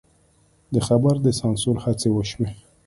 د خبر د سانسور هڅې وشوې.